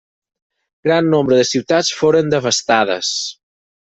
Gran nombre de ciutats foren devastades.